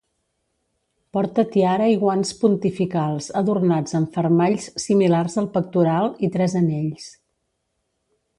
Porta tiara i guants pontificals adornats amb fermalls similars al pectoral i tres anells.